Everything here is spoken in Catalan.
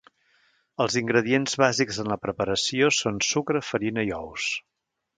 Els ingredients bàsics en la preparació són sucre, farina i ous.